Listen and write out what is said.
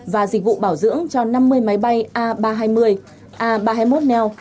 và dịch vụ bảo dưỡng cho năm mươi máy bay a ba trăm hai mươi a ba trăm hai mươi một neo